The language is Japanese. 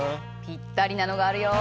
ぴったりなのがあるよ